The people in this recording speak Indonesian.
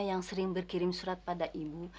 yang sering berkirim surat pada ibu